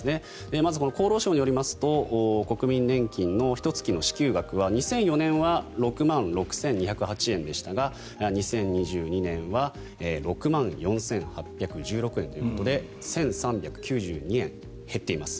まず、厚労省によりますと国民年金のひと月の支給額は２００４年は６万６２０８円でしたが２０２２年は６万４８１６円ということで１３９２円減っています。